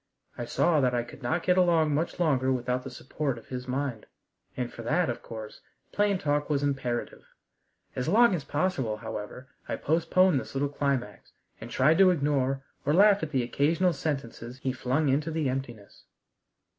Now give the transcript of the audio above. I saw that I could not get along much longer without the support of his mind, and for that, of course, plain talk was imperative. As long as possible, however, I postponed this little climax, and tried to ignore or laugh at the occasional sentences he flung into the emptiness.